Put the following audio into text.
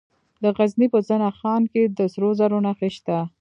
د غزني په زنه خان کې د سرو زرو نښې شته.